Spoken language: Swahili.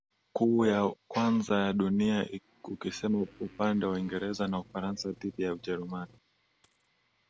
kuu ya kwanza ya dunia ukisimama upande wa Uingereza na Ufaransa dhidi ya Ujerumani